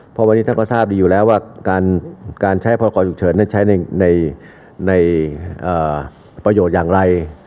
เพราะวันนี้ท่านก็ทราบดีอยู่แล้วว่าการใช้พรกรฉุกเฉินใช้ในประโยชน์อย่างไร